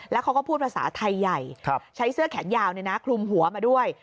แล้วเขาก็พูดภาษาไทยใหญ่ใช้เสื้อแขนยาวคลุมหัวมาด้วย